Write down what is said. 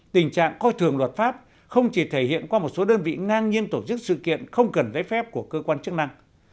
tình trạng coi thường luật pháp không chỉ thể hiện qua một số đơn vị ngang nhiên tổ chức sự kiện không cần giấy phép của cơ quan chức năng